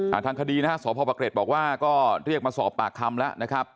ทางคดีนะฮะสพปะเกร็ดบอกว่าก็เรียกมาสอบปากคำแล้วนะครับ